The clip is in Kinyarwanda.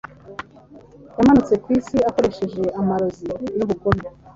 Yamanutse ku isi akoresheje amarozi n'ubugome;